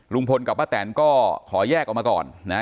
ลุงพลกับป้าแตนก็ขอแยกออกมาก่อนนะ